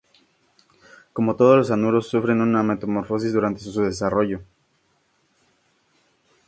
Como todos los anuros, sufren una metamorfosis durante su desarrollo.